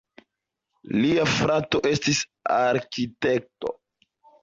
Lia frato estis arkitekto.